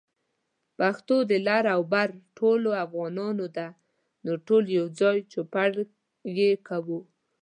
پښتو د لر او بر ټولو افغانانو ده، نو ټول يوځای چوپړ يې کوو